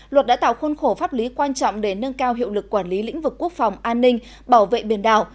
luật đã tạo khôn khổ pháp lý quan trọng để nâng cao hiệu lực quản lý lĩnh vực quốc phòng an ninh bảo vệ biển đảo